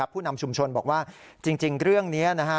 ผู้นำชุมชนบอกว่าจริงเรื่องนี้นะฮะ